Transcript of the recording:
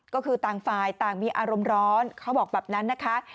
ก็คือต่างฝ่ายต่างมีอารมณ์ร้อนเขาบอกแบบนั้นนะคะ